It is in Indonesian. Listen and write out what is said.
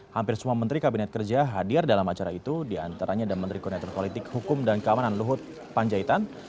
hampir semua menteri kabinet kerja hadir dalam acara itu diantaranya ada menteri koordinator politik hukum dan kawanan luhut panjaitan